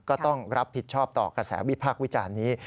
ก็ต้องรับผิดชอบต่อกระแสวิพากษ์วิจารณ์นี้